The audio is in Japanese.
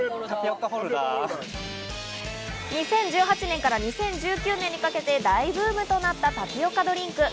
２０１８年から２０１９年にかけて大ブームとなったタピオカドリンク。